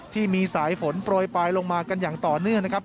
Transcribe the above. ที่มีสายฝนโปรยปลายลงมากันอย่างต่อเนื่องนะครับ